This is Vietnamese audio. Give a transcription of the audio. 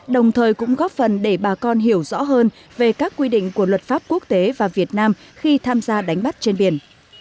đồng thời cũng góp phần để bà con hiểu rõ hơn về các quy định của luật pháp quốc tế và việt nam khi tham gia đánh bắt trên biển